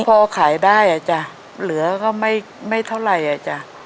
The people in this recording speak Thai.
พอขายได้อ่ะจ้ะเหลือก็ไม่เท่าไหร่อ่ะจ้ะ